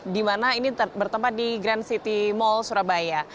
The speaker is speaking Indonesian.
di mana ini bertempat di grand city mall surabaya